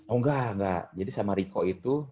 oh nggak jadi sama riko itu